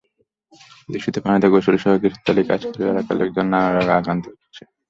দূষিত পানিতে গোসলসহ গৃহস্থালির কাজ করে এলাকার লোকজন নানা রোগে আক্রান্ত হচ্ছে।